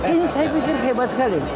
ini saya pikir hebat sekali